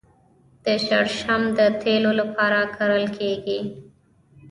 شړشم د تیلو لپاره کرل کیږي.